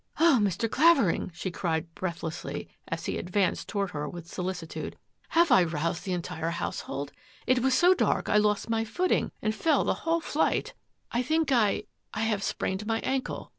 " Oh, Mr. Clavering,'* she cried breathlessly, as he advanced toward her with solicitude, " have I roused the entire household? It was so dark I lost my footing and fell the whole flight. I think I — 28 THAT AFFAIR AT THE MANOR I have sprained my ankle."